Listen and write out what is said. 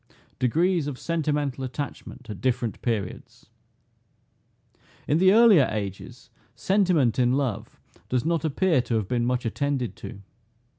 DEGREES OF SENTIMENTAL ATTACHMENT AT DIFFERENT PERIODS. In the earlier ages, sentiment in love does not appear to have been much attended to.